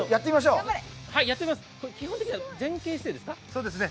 基本的には前傾姿勢ですか？